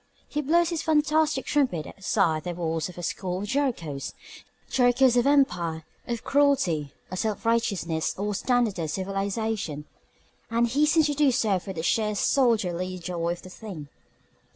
He blows his fantastic trumpet outside the walls of a score of Jerichos: Jerichos of empire, of cruelty, of self righteousness, of standardized civilization and he seems to do so for the sheer soldierly joy of the thing.